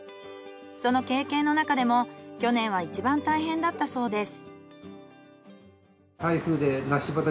その経験のなかでも去年はいちばん大変だったそうです。